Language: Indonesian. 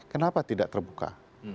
kenapa tidak terbuka